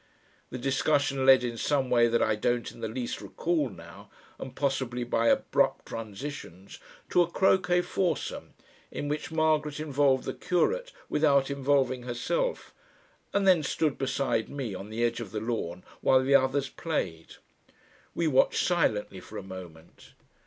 The discussion led in some way that I don't in the least recall now, and possibly by abrupt transitions, to a croquet foursome in which Margaret involved the curate without involving herself, and then stood beside me on the edge of the lawn while the others played. We watched silently for a moment.